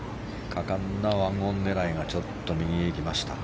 果敢な１オン狙いがちょっと右へ行きました。